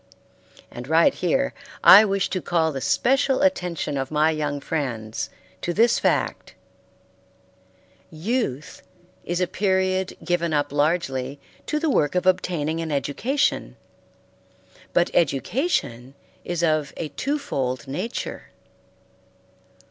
And right here I wish to call the special attention of my young friends to this fact: Youth is a period given up largely to the work of obtaining an education; but education is of a two fold nature.